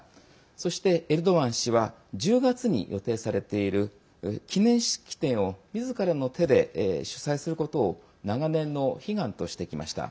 そして、エルドアン氏は１０月に予定されている記念式典をみずからの手で主催することを長年の悲願としてきました。